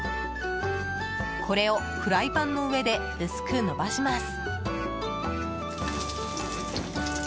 これをフライパンの上で薄くのばします。